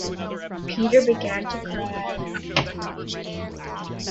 Peter began to cry.